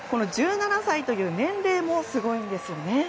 １７歳という年齢もすごいんですよね。